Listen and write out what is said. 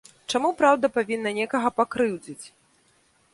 Чаму праўда павінна некага пакрыўдзіць?